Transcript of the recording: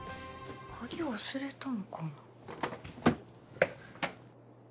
鍵忘れたのかな？